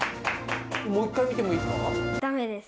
もう一回、見てもいだめです。